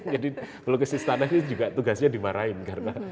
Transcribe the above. jadi pelukis istana ini juga tugasnya dimarahin